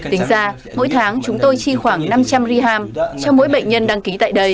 tính ra mỗi tháng chúng tôi chi khoảng năm trăm linh riham cho mỗi bệnh nhân đăng ký tại đây